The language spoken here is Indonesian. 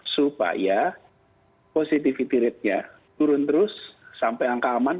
supaya positivity rate nya turun terus sampai angkaman